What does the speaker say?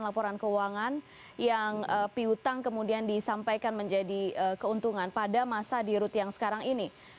laporan keuangan yang piutang kemudian disampaikan menjadi keuntungan pada masa di rut yang sekarang ini